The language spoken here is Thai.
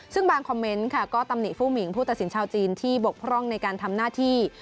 ซึ่งบางคอมเมนต์ค่ะก็ตำหนิผู้หิงผู้ตัดสินชาวจีนที่บกพร่องในการทำหน้าที่